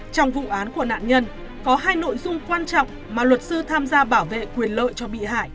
trong vụ án của nạn nhân có hai nội dung quan trọng mà luật sư tham gia bảo vệ quyền lợi cho bị hại